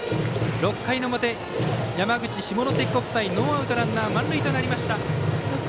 ６回の表、山口・下関国際ノーアウトランナー満塁となりました。